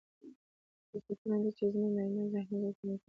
خصوصيتونه دي، چې زموږ نارينه ذهنيت ورته منسوب کړي دي.